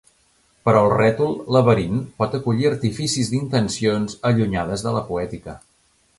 Però el rètol «laberint» pot acollir artificis d'intencions allunyades de la poètica.